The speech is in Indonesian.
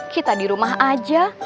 kita di rumah aja